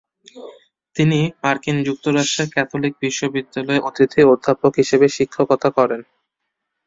তিনি মার্কিন যুক্তরাষ্ট্রের ক্যাথলিক বিশ্ববিদ্যালয়ে অতিথি অধ্যাপক হিসেবে শিক্ষকতা করেন।